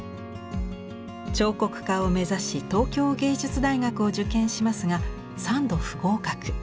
彫刻家を目指し東京藝術大学を受験しますが３度不合格。